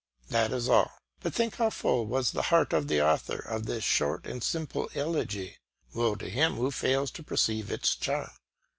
That is all, but think how full was the heart of the author of this short and simple elegy. Woe to him who fails to perceive its charm.